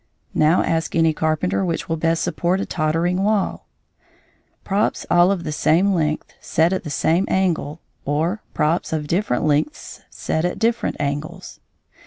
Now ask any carpenter which will best support a tottering wall props all of the same length set at the same angle, or props of different lengths set at different angles?